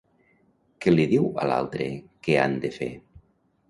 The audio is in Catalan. Què li diu a l'altre que han de fer?